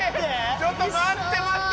ちょっと待って待って。